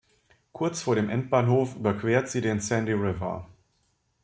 Kurz vor dem Endbahnhof überquert sie den Sandy River.